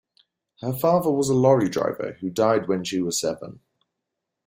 Her father was a lorry driver, who died when she was seven.